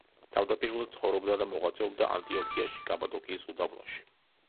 თავდაპირველად, ცხოვრობდა და მოღვაწეობდა ანტიოქიაში კაბადოკიის უდაბნოში.